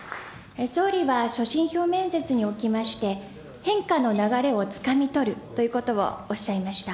総理は所信表明演説におきまして、変化の流れをつかみ取るということをおっしゃいました。